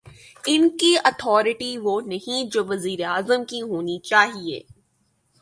ان کی اتھارٹی وہ نہیں جو وزیر اعظم کی ہونی چاہیے۔